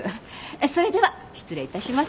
それでは失礼致します。